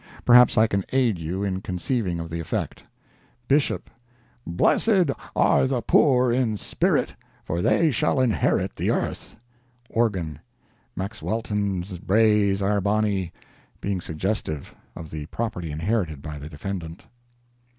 Perhaps I can aid you in conceiving of the effect: BISHOP—"Blessed are the poor in spirit, for they shall inherit the earth." ORGAN—"Maxwelton braes are bonny—(being suggestive of the property inherited by the defendant.)